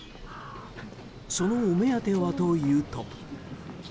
そのお目当てはというと。